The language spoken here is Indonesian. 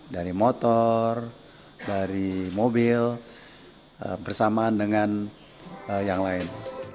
dari motor dari mobil bersamaan dengan yang lain